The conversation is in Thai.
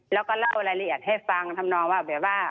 แล้วก็เล่ารายละเอียดให้ฟังทำนองว่าแบบว่า